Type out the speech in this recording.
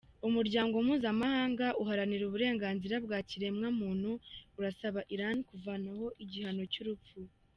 Umuryango mpuzamahanga uharanira uburenganzira bwa kiremwa muntu urasaba Iran kuvanaho igihano cy’urupfu.